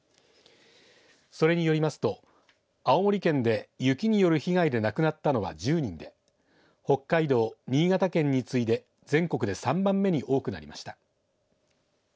それによりますと青森県で雪による被害で亡くなったのは１０人で北海道、新潟県についで全国で３番目に多くなりました。